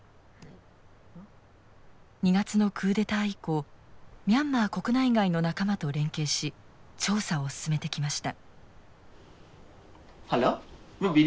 ２月のクーデター以降ミャンマー国内外の仲間と連携し調査を進めてきました。